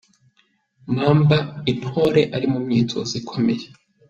Mamba Intore ari mu myitozo ikomeye .